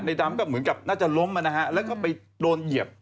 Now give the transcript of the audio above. ดำก็เหมือนกับน่าจะล้มมานะฮะแล้วก็ไปโดนเหยียบ